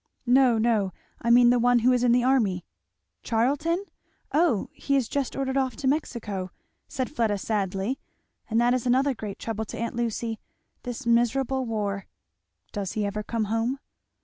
"No, no, I mean the one who is in the army?" "Charlton! O he is just ordered off to Mexico," said Fleda sadly, "and that is another great trouble to aunt Lucy. This miserable war! " "Does he never come home?"